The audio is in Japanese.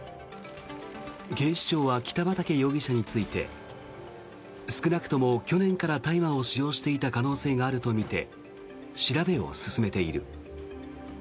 警視庁は北畠容疑者について少なくとも去年から大麻を使用していた可能性があるとみて調べを進めている。